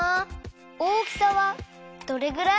大きさはどれぐらい？